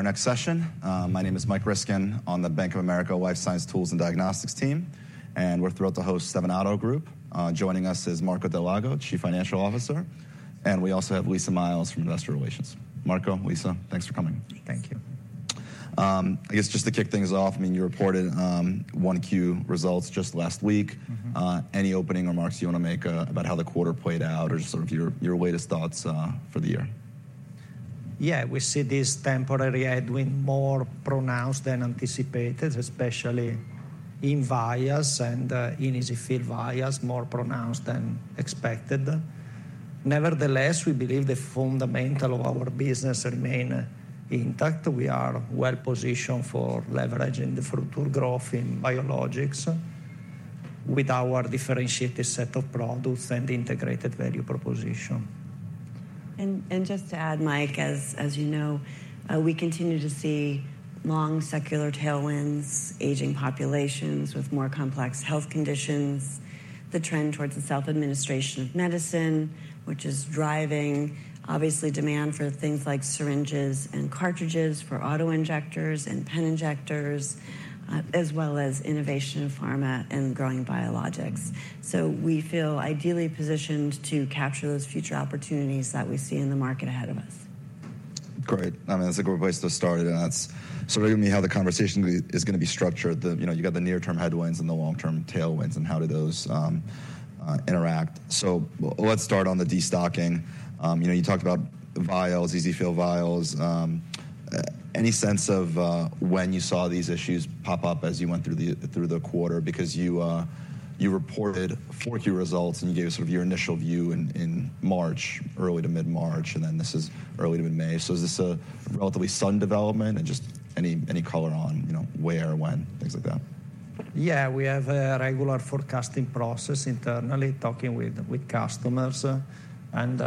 ...for our next session. My name is Mike Ryskin, on the Bank of America Life Science Tools and Diagnostics team, and we're thrilled to host Stevanato Group. Joining us is Marco Dal Lago, Chief Financial Officer, and we also have Lisa Miles from Investor Relations. Marco, Lisa, thanks for coming. Thanks. Thank you. I guess just to kick things off, I mean, you reported 1Q results just last week. Mm-hmm. Any opening remarks you wanna make about how the quarter played out or just sort of your, your latest thoughts for the year? Yeah, we see this temporary headwind more pronounced than anticipated, especially in vials and in EZ-fill vials, more pronounced than expected. Nevertheless, we believe the fundamental of our business remain intact. We are well positioned for leveraging the future growth in biologics with our differentiated set of products and integrated value proposition. Just to add, Mike, as you know, we continue to see long secular tailwinds, aging populations with more complex health conditions, the trend towards the self-administration of medicine, which is driving obviously demand for things like syringes and cartridges, for auto-injectors and pen injectors, as well as innovation in pharma and growing biologics. So we feel ideally positioned to capture those future opportunities that we see in the market ahead of us. Great. I mean, that's a great place to start, and that's sort of gonna be how the conversation is gonna be structured. You know, you've got the near-term headwinds and the long-term tailwinds, and how do those interact. So let's start on the destocking. You know, you talked about vials, EZ-fill vials. Any sense of when you saw these issues pop up as you went through the quarter? Because you reported 4Q results, and you gave us sort of your initial view in early to mid-March, and then this is early to mid-May. So is this a relatively sudden development? And just any color on, you know, where, when, things like that. Yeah, we have a regular forecasting process internally, talking with, with customers. And,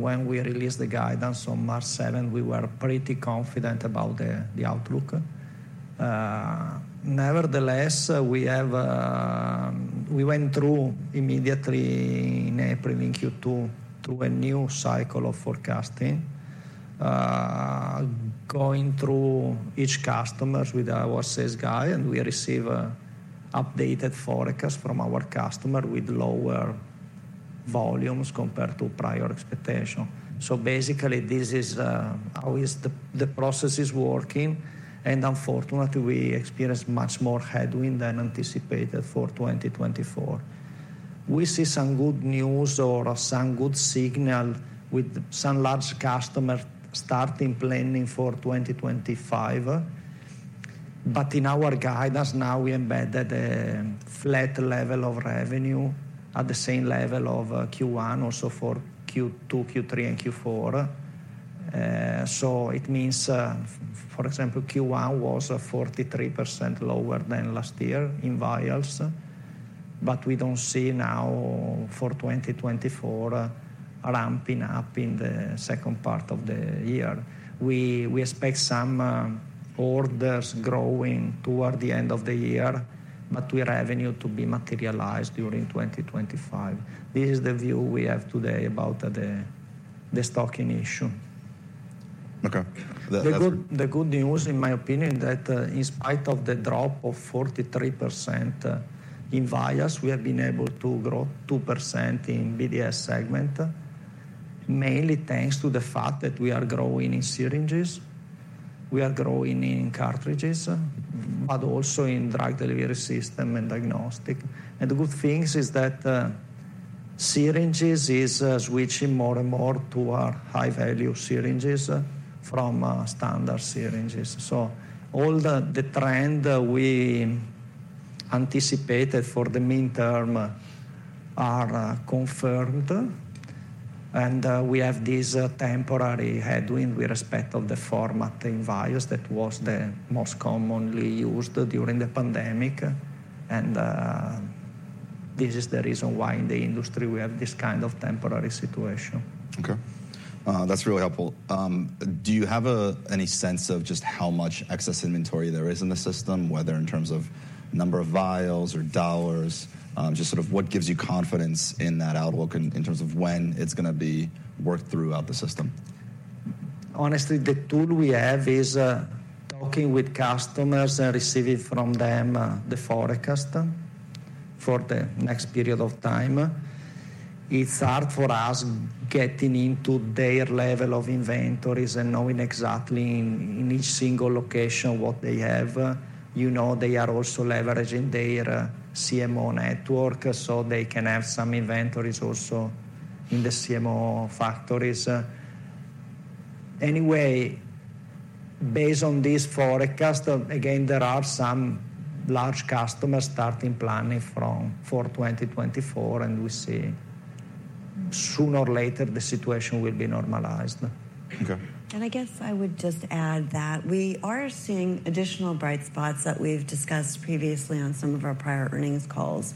when we released the guidance on March seventh, we were pretty confident about the, the outlook. Nevertheless, we have... We went through immediately in April, in Q2, through a new cycle of forecasting, going through each customers with our sales guy, and we receive a updated forecast from our customer with lower volumes compared to prior expectation. So basically, this is, how is the, the process is working, and unfortunately, we experienced much more headwind than anticipated for 2024. We see some good news or some good signal with some large customer starting planning for 2025, but in our guidance now, we embedded, flat level of revenue at the same level of, Q1, also for Q2, Q3, and Q4. So it means, for example, Q1 was 43% lower than last year in vials, but we don't see now for 2024, ramping up in the second part of the year. We expect some orders growing toward the end of the year, but with revenue to be materialized during 2025. This is the view we have today about the stocking issue. Okay. That- The good, the good news, in my opinion, that in spite of the drop of 43%, in vials, we have been able to grow 2% in BDS segment, mainly thanks to the fact that we are growing in syringes, we are growing in cartridges, but also in drug delivery system and diagnostic. And the good things is that syringes is switching more and more to our high-value syringes from standard syringes. So all the, the trend we anticipated for the midterm are confirmed, and we have this temporary headwind with respect of the form-fill-finish vials that was the most commonly used during the pandemic. And this is the reason why in the industry we have this kind of temporary situation. Okay. That's really helpful. Do you have any sense of just how much excess inventory there is in the system, whether in terms of number of vials or dollars? Just sort of what gives you confidence in that outlook in terms of when it's gonna be worked throughout the system? Honestly, the tool we have is talking with customers and receiving from them the forecast for the next period of time. It's hard for us getting into their level of inventories and knowing exactly in each single location what they have. You know, they are also leveraging their CMO network, so they can have some inventories also in the CMO factories. Anyway, based on this forecast, again, there are some large customers starting planning from—for 2024, and we see sooner or later the situation will be normalized. Okay. I guess I would just add that we are seeing additional bright spots that we've discussed previously on some of our prior earnings calls,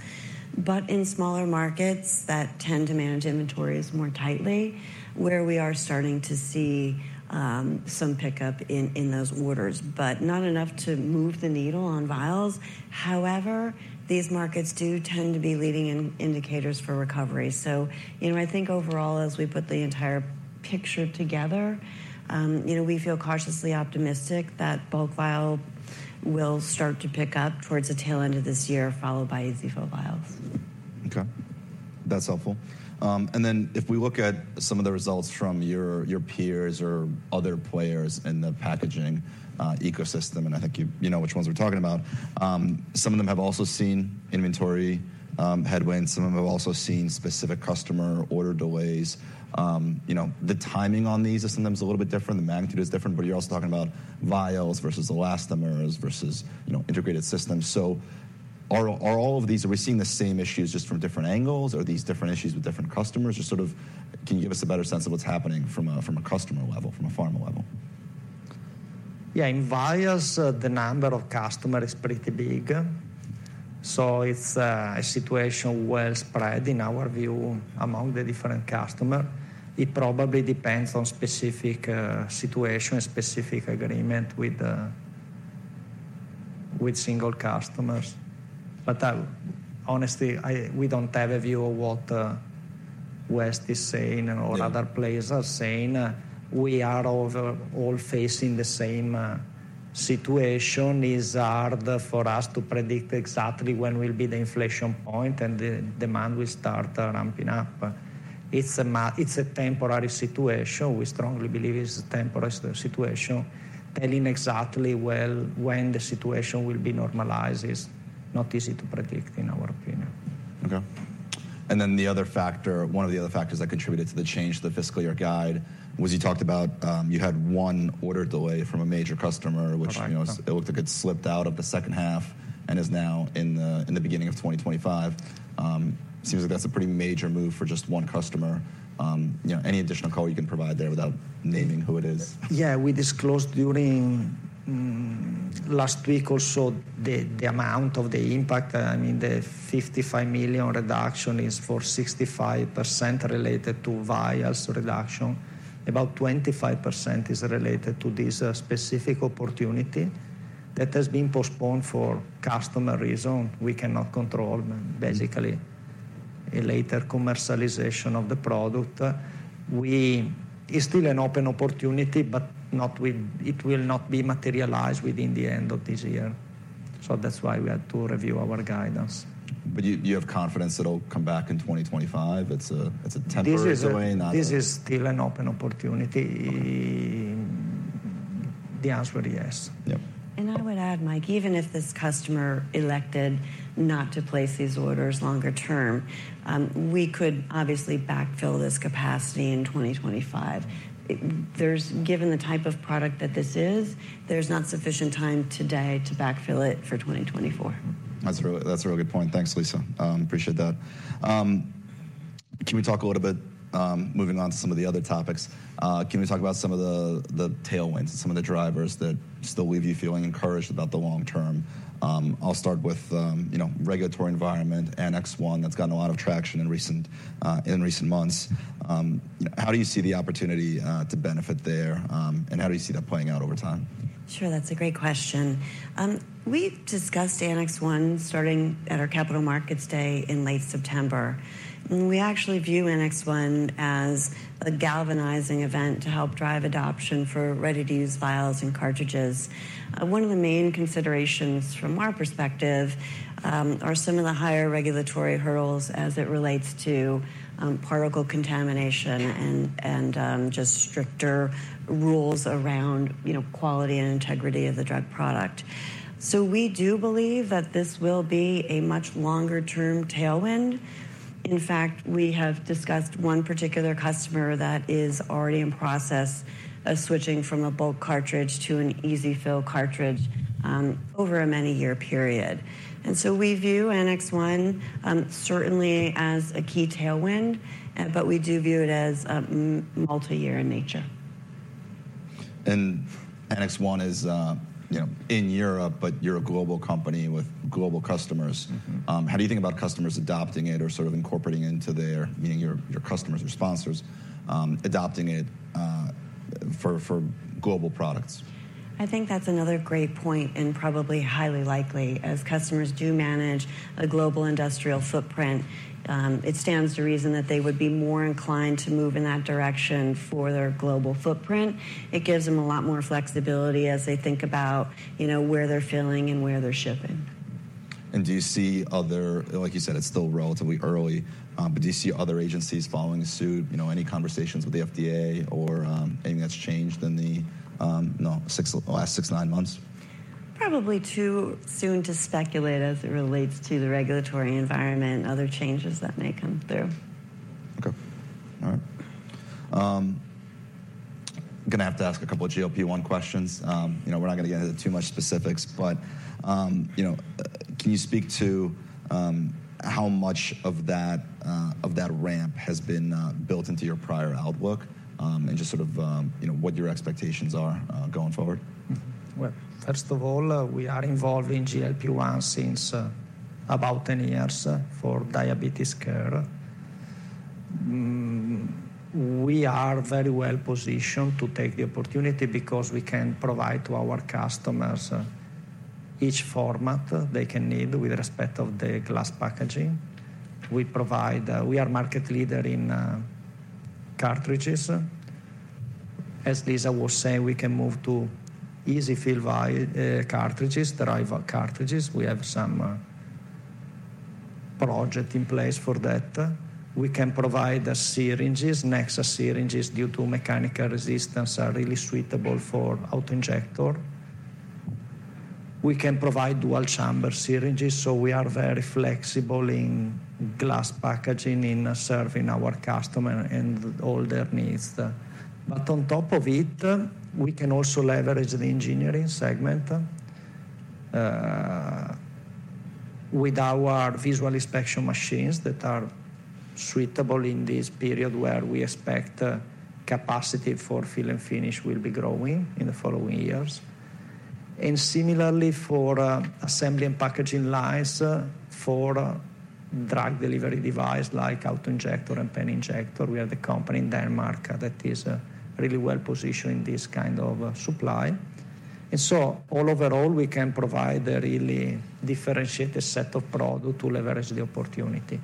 but in smaller markets that tend to manage inventories more tightly, where we are starting to see some pickup in those orders, but not enough to move the needle on vials. However, these markets do tend to be leading indicators for recovery. So, you know, I think overall, as we put the entire picture together, you know, we feel cautiously optimistic that bulk vial will start to pick up towards the tail end of this year, followed by EZ-fill vials. Okay... That's helpful. And then if we look at some of the results from your, your peers or other players in the packaging ecosystem, and I think you, you know which ones we're talking about, some of them have also seen inventory headwinds, some of them have also seen specific customer order delays. You know, the timing on these is sometimes a little bit different, the magnitude is different, but you're also talking about vials versus elastomers versus, you know, integrated systems. So are, are all of these-- are we seeing the same issues just from different angles, or are these different issues with different customers? Just sort of, can you give us a better sense of what's happening from a, from a customer level, from a pharma level? Yeah, in vials, the number of customer is pretty big. So it's a situation well spread, in our view, among the different customer. It probably depends on specific situation, specific agreement with single customers. But, honestly, we don't have a view of what West is saying or other players are saying. We are all facing the same situation. It's hard for us to predict exactly when will be the inflection point and the demand will start ramping up. But it's a temporary situation. We strongly believe it's a temporary situation. Telling exactly well when the situation will be normalized is not easy to predict, in our opinion. Okay. And then the other factor, one of the other factors that contributed to the change in the fiscal year guide, was you talked about. You had one order delay from a major customer- Right. which, you know, it looked like it slipped out of the second half and is now in the beginning of 2025. Seems like that's a pretty major move for just one customer. You know, any additional color you can provide there without naming who it is? Yeah, we disclosed during last week also, the amount of the impact. I mean, the 55 million reduction is for 65% related to vials reduction. About 25% is related to this specific opportunity that has been postponed for customer reason. We cannot control basically a later commercialization of the product. It's still an open opportunity, but it will not be materialized within the end of this year. So that's why we had to review our guidance. But you, you have confidence it'll come back in 2025? It's a, it's a temporary delay, not- This is, this is still an open opportunity. The answer is yes. Yep. I would add, Mike, even if this customer elected not to place these orders longer term, we could obviously backfill this capacity in 2025. Given the type of product that this is, there's not sufficient time today to backfill it for 2024. That's a really good point. Thanks, Lisa. Appreciate that. Moving on to some of the other topics, can we talk about some of the tailwinds and some of the drivers that still leave you feeling encouraged about the long term? I'll start with, you know, regulatory environment, Annex 1, that's gotten a lot of traction in recent months. How do you see the opportunity to benefit there, and how do you see that playing out over time? Sure, that's a great question. We've discussed Annex 1 starting at our Capital Markets Day in late September. We actually view Annex 1 as a galvanizing event to help drive adoption for ready-to-use vials and cartridges. One of the main considerations from our perspective are some of the higher regulatory hurdles as it relates to particle contamination and just stricter rules around, you know, quality and integrity of the drug product. So we do believe that this will be a much longer-term tailwind. In fact, we have discussed one particular customer that is already in process of switching from a bulk cartridge to an EZ-fill cartridge over a many-year period. And so we view Annex 1 certainly as a key tailwind, but we do view it as multi-year in nature. Annex 1 is, you know, in Europe, but you're a global company with global customers. Mm-hmm. How do you think about customers adopting it or sort of incorporating into their... meaning your customers or sponsors, adopting it, for global products? I think that's another great point and probably highly likely. As customers do manage a global industrial footprint, it stands to reason that they would be more inclined to move in that direction for their global footprint. It gives them a lot more flexibility as they think about, you know, where they're filling and where they're shipping. Like you said, it's still relatively early, but do you see other agencies following suit? You know, any conversations with the FDA or anything that's changed in the, you know, last 6-9 months? Probably too soon to speculate as it relates to the regulatory environment and other changes that may come through. Okay. All right. I'm gonna have to ask a couple of GLP-1 questions. You know, we're not gonna get into too much specifics, but, you know, can you speak to, how much of that, of that ramp has been, built into your prior outlook? And just sort of, you know, what your expectations are, going forward. Well, first of all, we are involved in GLP-1 since about 10 years for diabetes care. We are very well positioned to take the opportunity because we can provide to our customers each format they can need with respect of the glass packaging. We provide. We are market leader in cartridges, as Lisa was saying, we can move to EZ-fill vials, cartridges, driver cartridges. We have some project in place for that. We can provide syringes. Nexa syringes, due to mechanical resistance, are really suitable for auto-injector. We can provide dual-chamber syringes, so we are very flexible in glass packaging, in serving our customer and all their needs. But on top of it, we can also leverage the engineering segment with our visual inspection machines that are suitable in this period, where we expect capacity for fill and finish will be growing in the following years. And similarly, for assembly and packaging lines for drug delivery device, like auto-injector and pen injector, we have the company in Denmark that is really well-positioned in this kind of supply. And so all overall, we can provide a really differentiated set of product to leverage the opportunity.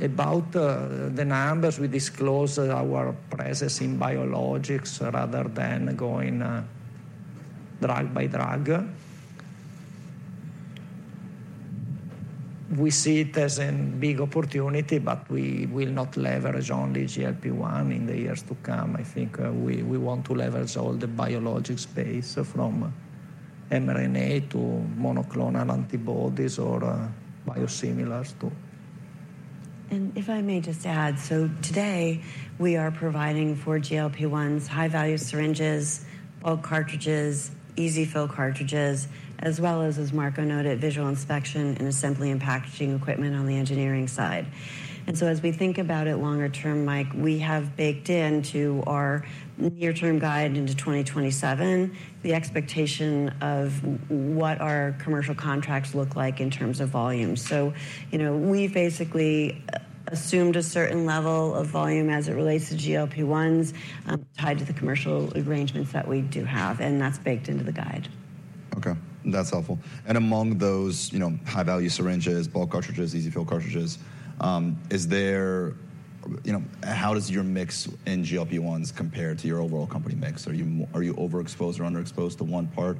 About the numbers, we disclose our presence in biologics rather than going drug by drug. We see it as a big opportunity, but we will not leverage only GLP-1 in the years to come. I think we want to leverage all the biologic space from mRNA to monoclonal antibodies or biosimilars, too. If I may just add, so today we are providing for GLP-1s, high-value syringes, bulk cartridges, EZ-fill cartridges, as well as, as Marco noted, visual inspection and assembly and packaging equipment on the engineering side. So as we think about it longer term, Mike, we have baked into our near-term guide into 2027, the expectation of what our commercial contracts look like in terms of volume. So, you know, we basically assumed a certain level of volume as it relates to GLP-1s, tied to the commercial arrangements that we do have, and that's baked into the guide. Okay, that's helpful. Among those, you know, high-value syringes, bulk cartridges, EZ-fill cartridges, is there... You know, how does your mix in GLP-1s compare to your overall company mix? Are you overexposed or underexposed to one part?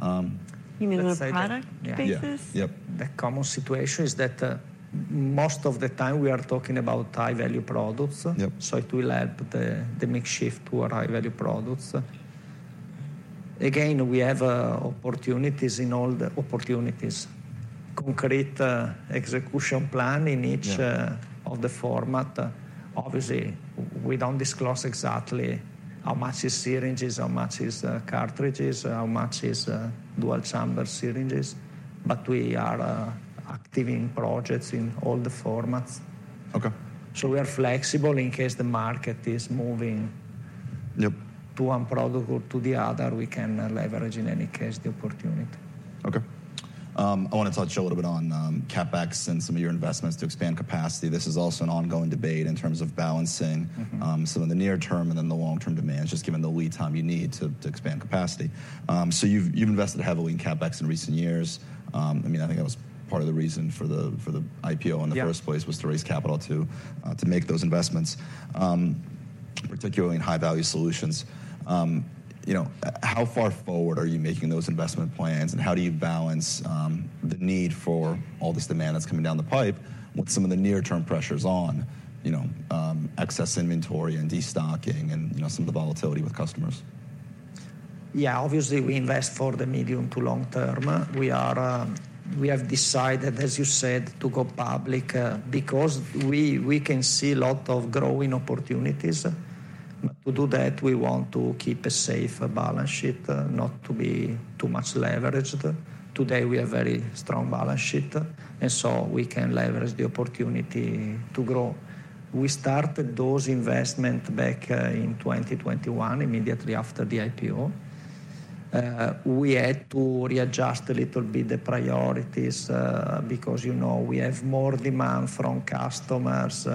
You mean on a product basis? Yeah. Yep. The common situation is that, most of the time we are talking about high-value products. Yep. So it will help the mix shift to high-value products. Again, we have opportunities in all the opportunities. Concrete execution plan in each- Yeah... of the format. Obviously, we don't disclose exactly how much is syringes, how much is, cartridges, how much is, dual-chamber syringes, but we are, active in projects in all the formats. Okay. We are flexible in case the market is moving- Yep... to one product or to the other. We can leverage, in any case, the opportunity. Okay. I want to touch a little bit on, CapEx and some of your investments to expand capacity. This is also an ongoing debate in terms of balancing- Mm-hmm... some of the near-term and then the long-term demands, just given the lead time you need to expand capacity. So you've invested heavily in CapEx in recent years. I mean, I think that was part of the reason for the IPO- Yeah... in the first place, was to raise capital to, to make those investments, particularly in high-value solutions. You know, how far forward are you making those investment plans, and how do you balance, the need for all this demand that's coming down the pipe with some of the near-term pressures on, you know, excess inventory and destocking and, you know, some of the volatility with customers? Yeah, obviously, we invest for the medium to long term. We have decided, as you said, to go public because we, we can see a lot of growing opportunities. To do that, we want to keep a safe balance sheet, not to be too much leveraged. Today, we have very strong balance sheet, and so we can leverage the opportunity to grow. We started those investment back in 2021, immediately after the IPO. We had to readjust a little bit the priorities because, you know, we have more demand from customers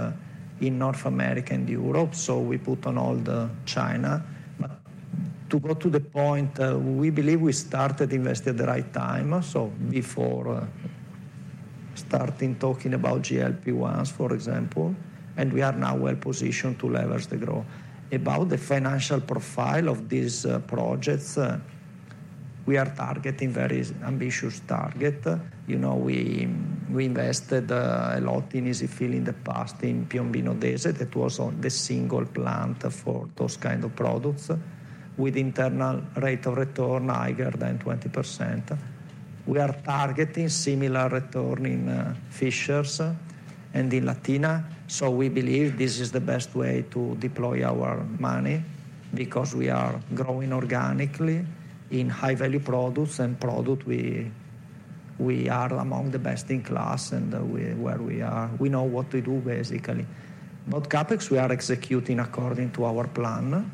in North America and Europe, so we put on hold China. But to go to the point, we believe we started investing at the right time, so before starting talking about GLP-1s, for example, and we are now well positioned to leverage the growth. About the financial profile of these projects, we are targeting very ambitious target. You know, we invested a lot in EZ-fill in the past, in Piombino Dese, that was on the single plant for those kind of products, with internal rate of return higher than 20%. We are targeting similar return in Fishers, and in Latina. So we believe this is the best way to deploy our money, because we are growing organically in high-value products, and product we are among the best in class and where we are. We know what to do, basically. But CapEx, we are executing according to our plan.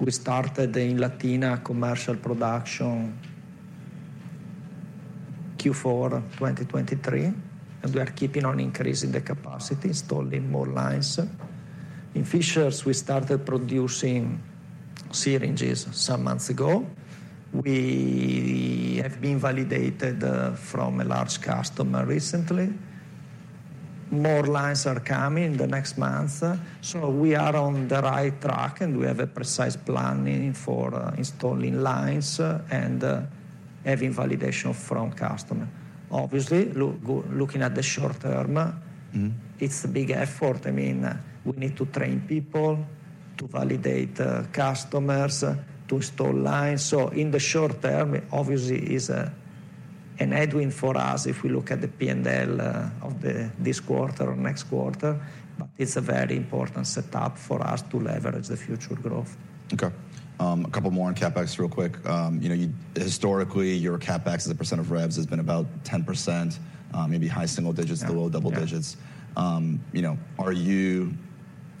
We started in Latina commercial production Q4 of 2023, and we are keeping on increasing the capacity, installing more lines. In Fishers, we started producing syringes some months ago. We have been validated from a large customer recently.... More lines are coming in the next month. So we are on the right track, and we have a precise planning for installing lines and having validation from customer. Obviously, looking at the short term- Mm-hmm. It's a big effort. I mean, we need to train people, to validate customers, to install lines. So in the short term, it obviously is a headwind for us if we look at the P&L of this quarter or next quarter, but it's a very important setup for us to leverage the future growth. Okay. A couple more on CapEx real quick. You know, you historically, your CapEx as a percent of revs has been about 10%, maybe high single digits- Yeah. or low double digits. Yeah. You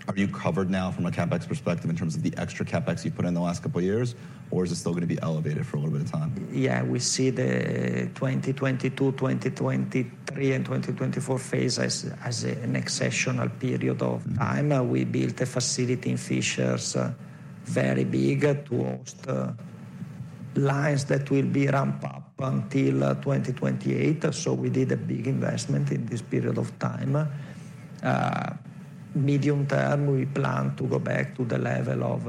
know, are you covered now from a CapEx perspective in terms of the extra CapEx you've put in the last couple of years? Or is it still gonna be elevated for a little bit of time? Yeah, we see the 2022, 2023, and 2024 phase as an exceptional period of time. Mm. We built a facility in Fishers, very big, to host lines that will be ramped up until 2028. So we did a big investment in this period of time. Medium term, we plan to go back to the level of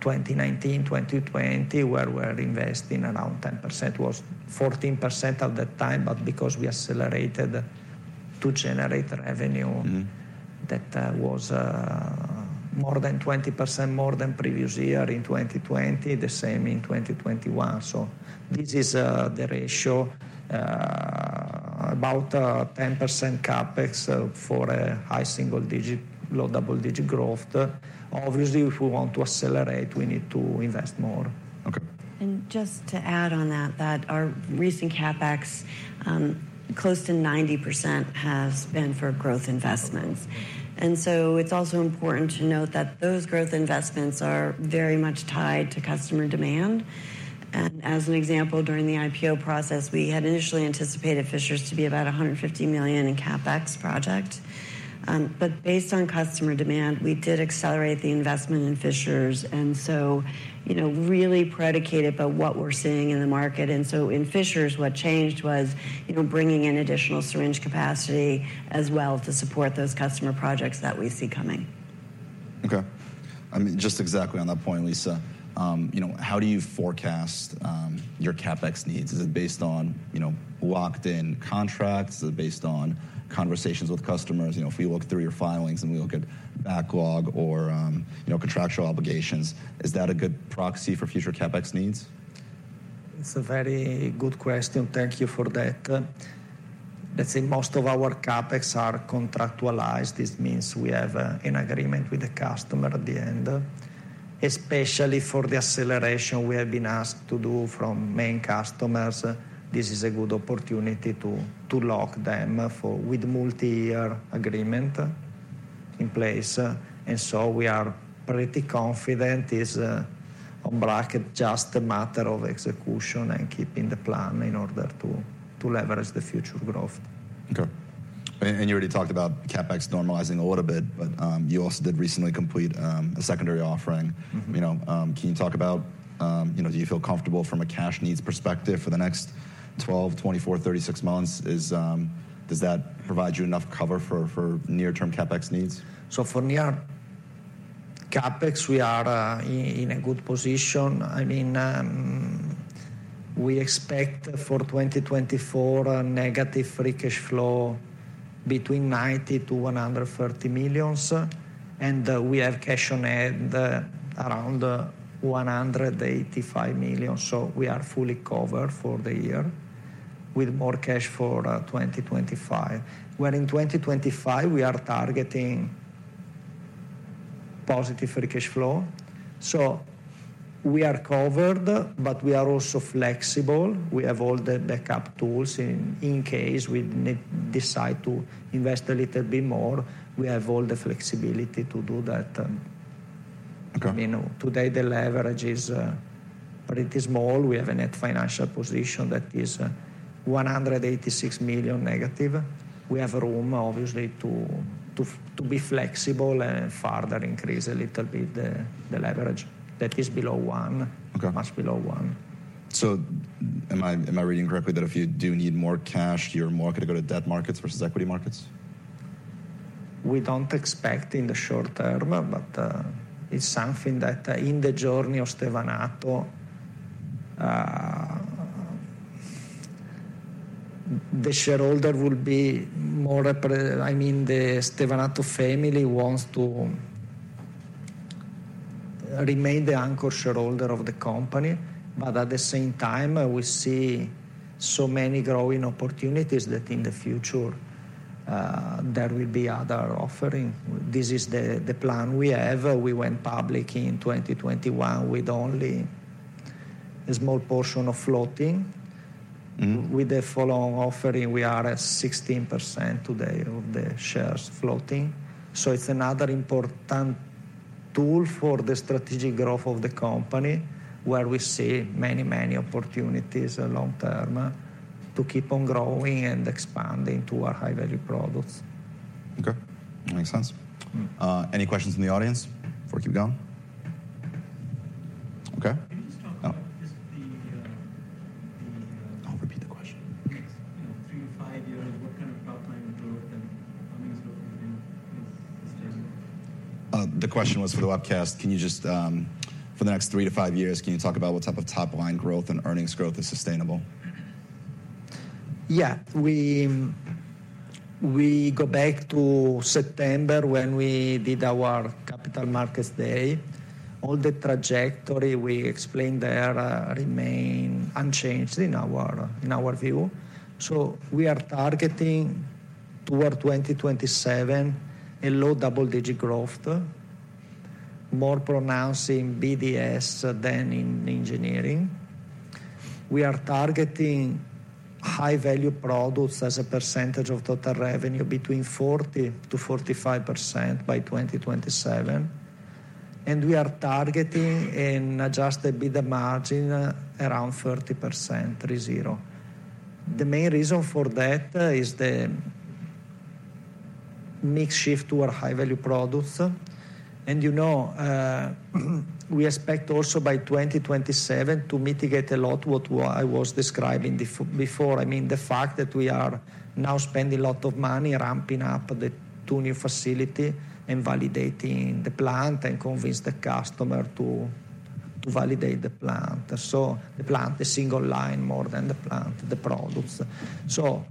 2019, 2020, where we are investing around 10%. It was 14% at that time, but because we accelerated to generate revenue- Mm-hmm. -that was more than 20%, more than previous year in 2020, the same in 2021. So this is the ratio, about 10% CapEx, for a high single-digit, low double-digit growth. Obviously, if we want to accelerate, we need to invest more. Okay. Just to add on that, that our recent CapEx, close to 90% has been for growth investments. Okay. It's also important to note that those growth investments are very much tied to customer demand. As an example, during the IPO process, we had initially anticipated Fishers to be about 150 million in CapEx project. But based on customer demand, we did accelerate the investment in Fishers, and so, you know, really predicated by what we're seeing in the market. In Fishers, what changed was, you know, bringing in additional syringe capacity as well to support those customer projects that we see coming. Okay. Just exactly on that point, Lisa, you know, how do you forecast your CapEx needs? Is it based on, you know, locked-in contracts? Is it based on conversations with customers? You know, if we look through your filings and we look at backlog or, you know, contractual obligations, is that a good proxy for future CapEx needs? It's a very good question. Thank you for that. Let's say most of our CapEx are contractualized. This means we have an agreement with the customer at the end, especially for the acceleration we have been asked to do from main customers. This is a good opportunity to, to lock them for, with multi-year agreement in place, and so we are pretty confident it's on track, just a matter of execution and keeping the plan in order to, to leverage the future growth. Okay. And you already talked about CapEx normalizing a little bit, but you also did recently complete a secondary offering. Mm-hmm. You know, can you talk about... You know, do you feel comfortable from a cash needs perspective for the next 12, 24, 36 months? Is, does that provide you enough cover for, for near-term CapEx needs? So for near CapEx, we are in a good position. I mean, we expect for 2024, a negative free cash flow between 90 million and 130 million, and we have cash on hand around 185 million. So we are fully covered for the year, with more cash for 2025. Where in 2025, we are targeting positive free cash flow. So we are covered, but we are also flexible. We have all the backup tools in case we need decide to invest a little bit more. We have all the flexibility to do that. Okay. I mean, today, the leverage is, but it is small. We have a net financial position that is 186 million negative. We have room, obviously, to, to, to be flexible and further increase a little bit the, the leverage that is below one- Okay. much below one. So, am I reading correctly that if you do need more cash, you're more gonna go to debt markets versus equity markets? We don't expect in the short term, but it's something that in the journey of Stevanato, the shareholder will be more—I mean, the Stevanato family wants to remain the anchor shareholder of the company. But at the same time, we see so many growing opportunities that in the future, there will be other offering. This is the plan we have. We went public in 2021 with only a small portion of floating. Mm-hmm. With the follow-on offering, we are at 16% today of the shares floating. So it's another important tool for the strategic growth of the company, where we see many, many opportunities, long term, to keep on growing and expanding to our high-value products. Okay, makes sense. Mm. Any questions in the audience before we keep going? ... Okay. Oh, repeat the question. You know, three to five years, The question was for the webcast: Can you just, for the next three to five years, can you talk about what type of top-line growth and earnings growth is sustainable? Yeah. We go back to September when we did our Capital Markets Day. All the trajectory we explained there remain unchanged in our view. So we are targeting toward 2027 a low double-digit growth, more pronounced in BDS than in engineering. We are targeting high-value products as a percentage of total revenue between 40%-45% by 2027, and we are targeting an adjusted EBITDA margin around 30%, three zero. The main reason for that is the mix shift to our high-value products. And, you know, we expect also by 2027 to mitigate a lot what I was describing before. I mean, the fact that we are now spending a lot of money ramping up the two new facility and validating the plant and convince the customer to validate the plant. So the plant, the single line more than the plant, the products. So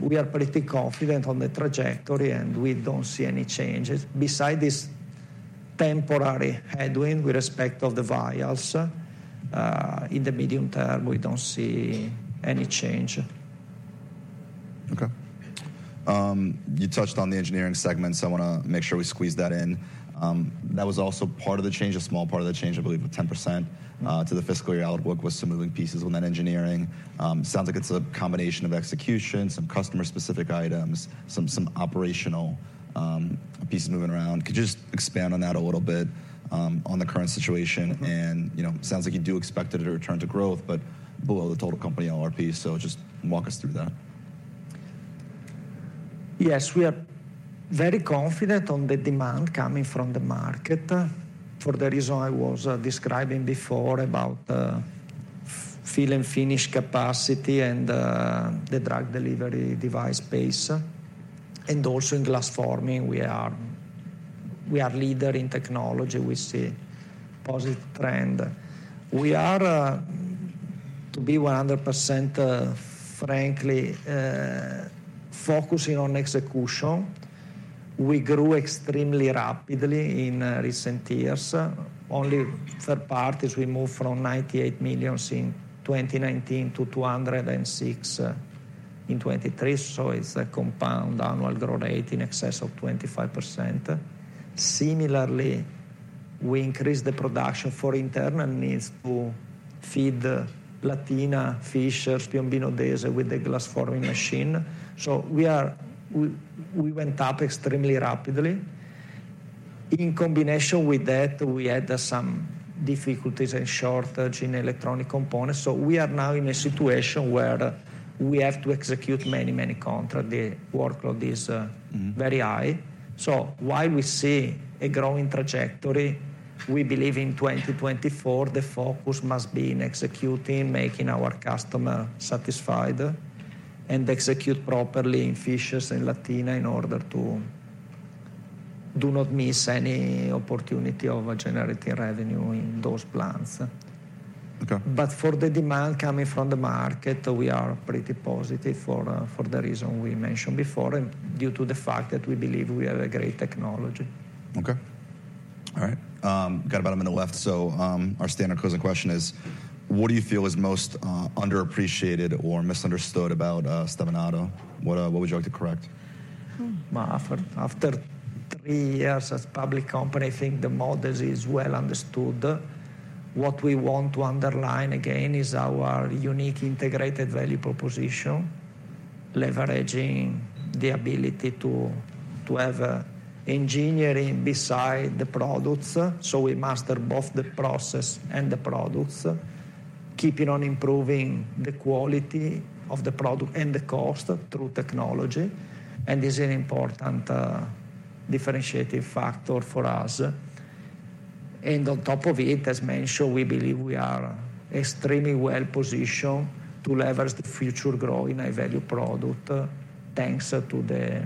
we are pretty confident on the trajectory, and we don't see any changes. Besides this temporary headwind with respect to the vials, in the medium term, we don't see any change. Okay. You touched on the engineering segment, so I wanna make sure we squeeze that in. That was also part of the change, a small part of the change, I believe, of 10% to the fiscal year outlook, was some moving pieces within engineering. Sounds like it's a combination of execution, some customer-specific items, some operational pieces moving around. Could you just expand on that a little bit, on the current situation? Mm-hmm. You know, sounds like you do expect it to return to growth, but below the total company LRP. Just walk us through that. Yes, we are very confident on the demand coming from the market, for the reason I was describing before about the fill and finish capacity and the drug delivery device base. And also in glass forming, we are leader in technology. We see positive trend. We are, to be 100%, frankly, focusing on execution. We grew extremely rapidly in recent years. Only third parties, we moved from 98 million in 2019 to 206 in 2023, so it's a compound annual growth rate in excess of 25%. Similarly, we increased the production for internal needs to feed the Latina, Fishers, Piombino Dese with the glass forming machine. So we went up extremely rapidly. In combination with that, we had some difficulties and shortage in electronic components, so we are now in a situation where we have to execute many, many contract. The workload is, Mm-hmm... very high. So while we see a growing trajectory, we believe in 2024, the focus must be in executing, making our customer satisfied, and execute properly in Fishers and Latina in order to do not miss any opportunity of generating revenue in those plants. Okay. For the demand coming from the market, we are pretty positive for the reason we mentioned before, and due to the fact that we believe we have a great technology. Okay. All right. Got about a minute left, so, our standard closing question is: What do you feel is most underappreciated or misunderstood about Stevanato Group? What would you like to correct? Well, after three years as public company, I think the model is well understood. What we want to underline again is our unique integrated value proposition, leveraging the ability to have engineering beside the products, so we master both the process and the products, keeping on improving the quality of the product and the cost through technology, and this is an important differentiating factor for us. And on top of it, as mentioned, we believe we are extremely well-positioned to leverage the future growth in high-value product, thanks to the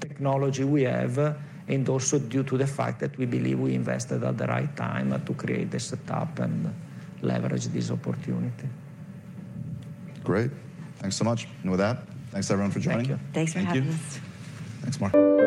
technology we have, and also due to the fact that we believe we invested at the right time to create this setup and leverage this opportunity. Great. Thanks so much. With that, thanks, everyone, for joining. Thank you. Thanks for having us. Thank you. Thanks, Marco.